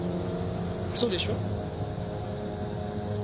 そうでしょ？